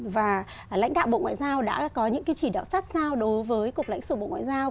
và lãnh đạo bộ ngoại giao đã có những chỉ đạo sát sao đối với cục lãnh sự bộ ngoại giao